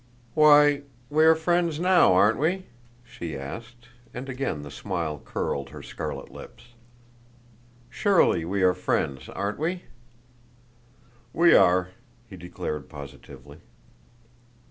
"Why, we are friends now, aren't we?" she asked, and again the smile curled her scarlet lips. "Surely we are friends, aren't we?" "We are," he declared positively.